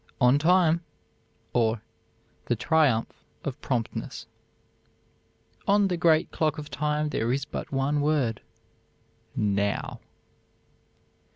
"ON TIME," OR THE TRIUMPH OF PROMPTNESS "On the great clock of time there is but one word NOW."